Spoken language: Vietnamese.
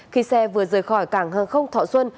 khi xe vừa rời khỏi cảng hàng không thọ xuân